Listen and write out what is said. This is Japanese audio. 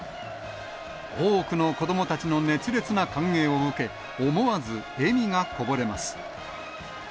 多くの子どもたちの熱烈な歓迎を受け、思わず笑みがこぼれます。